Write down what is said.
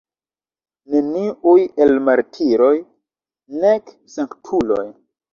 Neniuj el martiroj, nek sanktuloj.